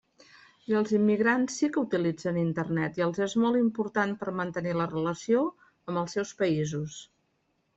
I els immigrants sí que utilitzen Internet i els és molt important per mantenir la relació amb els seus països.